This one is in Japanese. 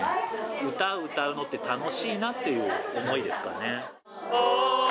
歌を歌うのって楽しいなっていう思いですかね。